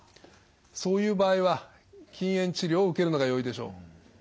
そういう場合は禁煙治療を受けるのがよいでしょう。